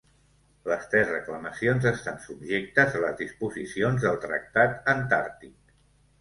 Les tres reclamacions estan subjectes a les disposicions del Tractat Antàrtic.